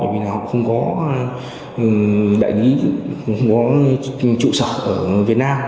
vì là họ không có đại lý không có trụ sở ở việt nam